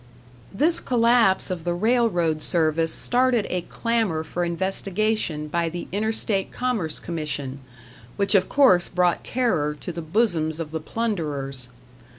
This collapse of the railroad service started a clamor for investigation by the Interstate Commerce Commission, which of course brought terror to the bosoms of the plunderers.